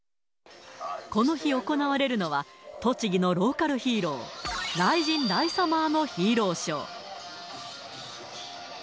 この日行われるのは、栃木のローカルヒーロー、雷神ライサマーのヒーローショー。